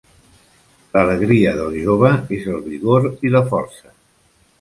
L'alegria del jove és el vigor i la força.